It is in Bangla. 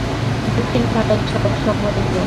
দক্ষিণ ভারত সব সময়েই গরম।